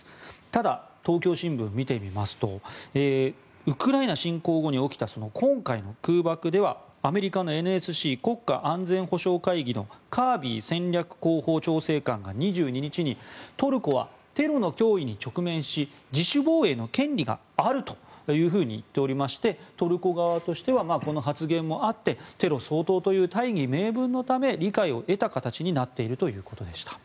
ただ、東京新聞を見てみますとウクライナ侵攻後に起きた今回の空爆ではアメリカのＮＳＣ・国家安全保障会議のカービー戦略広報調整官が２２日にトルコはテロの脅威に直面し自主防衛の権利があると言っておりましてトルコ側としてはこの発言もあってテロ掃討という大義名分のため理解を得た形になっているということでした。